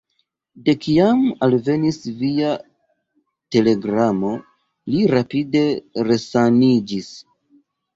De kiam alvenis via telegramo, li rapide resaniĝis.